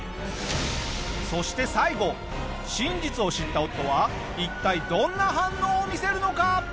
そして最後真実を知った夫は一体どんな反応を見せるのか？